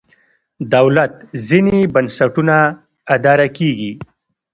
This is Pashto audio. دولت ځینې بنسټونه اداره کېږي.